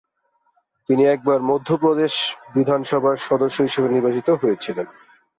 তিনি একবার মধ্যপ্রদেশ বিধানসভার সদস্য হিসেবে নির্বাচিত হয়েছিলেন।